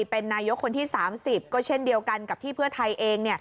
เป็นนายกคนที่๓๐ก็เช่นเดียวกันกับที่เพื่อไทยเอง